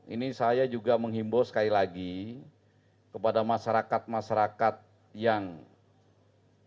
ini saya juga menghimbau sekali lagi kepada masyarakat masyarakat